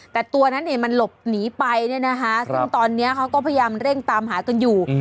แต่ตัวนั้นเองมันหลบหนีไปเนี่ยนะคะซึ่งตอนนี้เขาก็พยายามเร่งตามหากันอยู่